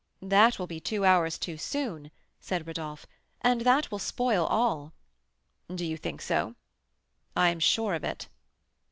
"That will be two hours too soon," said Rodolph; "and that will spoil all." "Do you think so?" "I am sure of it."